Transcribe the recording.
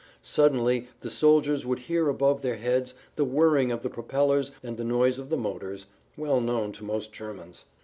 Suddenly the soldiers would hear above their heads the whirring of the propellers and the noise of the motors, well known to most Germans.